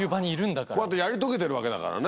こうやってやり遂げてるわけだからね